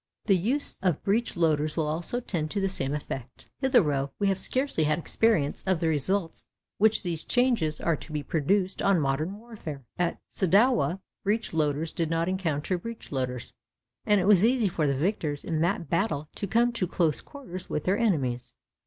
The use of breech loaders will also tend to the same effect. Hitherto we have scarcely had experience of the results which these changes are to produce on modern warfare. At Sadowa breech loaders did not encounter breech loaders, and it was easy for the victors in that battle to come to close quarters with their enemies.